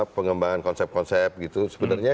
pengembangan konsep konsep gitu sebenarnya